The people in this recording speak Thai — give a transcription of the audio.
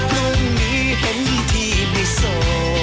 พรุ่งนี้เห็นที่ไม่โส